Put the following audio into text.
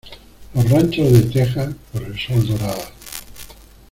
Los ranchos de tejas por el sol doradas.